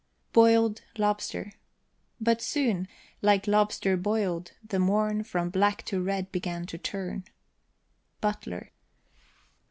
BOILED LOBSTER. But soon, like lobster boil'd, the morn From black to red began to turn. BUTLER.